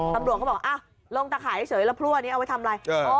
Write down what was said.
กำรวจเขาบอกอ้าวโรงตะไข่เฉยละพรั่วนี้เอาไว้ทำอะไร